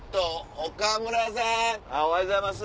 おはようございます。